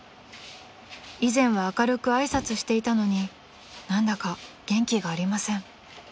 ［以前は明るく挨拶していたのに何だか元気がありません］